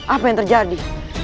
apa yang terjadi